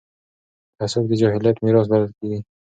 تعصب د جاهلیت میراث بلل کېږي